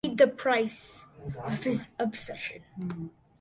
He paid the price of his obsession.